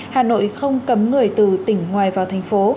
hà nội không cấm người từ tỉnh ngoài vào thành phố